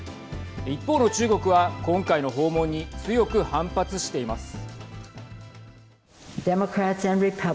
一方の中国は、今回の訪問に強く反発しています。